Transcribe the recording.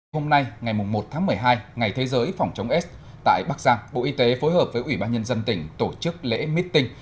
hôm nay ngày một tháng một mươi hai ngày thế giới phòng chống s tại bắc giang bộ y tế phối hợp với ủy ban nhân dân tỉnh tổ chức lễ meeting